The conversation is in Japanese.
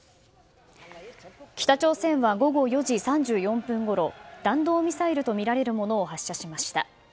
北朝鮮は午後４時３４分ごろ弾道ミサイルとみられるものを発射しました。